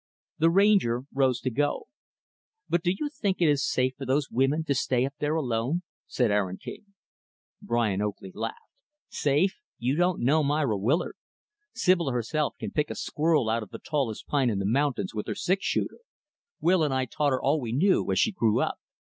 The Ranger rose to go. "But do you think it is safe for those women to stay up there alone?" asked Aaron King. Brian Oakley laughed. "Safe! You don't know Myra Willard! Sibyl, herself, can pick a squirrel out of the tallest pine in the mountains with her six shooter. Will and I taught her all we knew, as she grew up.